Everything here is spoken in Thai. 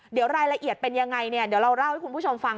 เดี๋ยวรายละเอียดเป็นยังไงเราเล่าให้คุณผู้ชมฟัง